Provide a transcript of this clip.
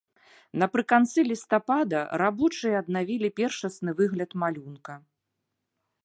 Напрыканцы лістапада рабочыя аднавілі першасны выгляд малюнка.